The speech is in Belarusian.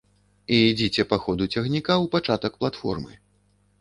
І ідзіце па ходу руху цягніка ў пачатак платформы.